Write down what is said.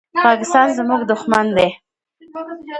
پاکستان زموږ دښمن ده.